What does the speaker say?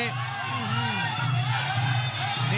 คมทุกลูกจริงครับโอ้โห